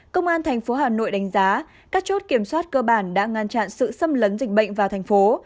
công an thành phố hà nội đánh giá các chốt kiểm soát cơ bản đã ngăn chặn sự xâm lấn dịch bệnh vào thành phố